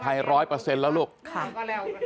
เอามันปากกันแนานจะก็สาป